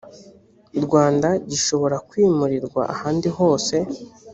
rwanda gishobora kwimurirwa ahandi hose